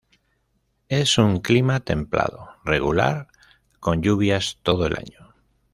Es un clima templado regular, con lluvias todo el año.